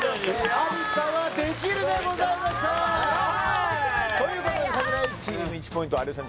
アリスさんは「できる」でございましたわということで櫻井チーム１ポイント有吉さん